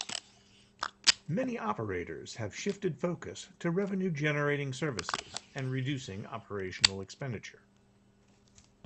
Many operators have shifted focus to revenue generating services and reducing operational expenditure.